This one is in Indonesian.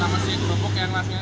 sama si kerupuk yang lainnya